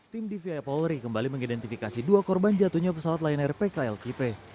tim dvi polri kembali mengidentifikasi dua korban jatuhnya pesawat lion air pkl kipe